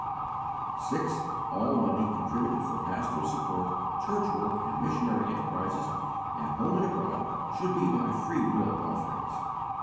6. All money contributed for pastoral support, church work, and missionary enterprises at home and abroad should be by free will offerings.